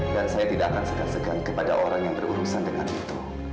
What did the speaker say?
dan saya tidak akan segan segan kepada orang yang berurusan dengan itu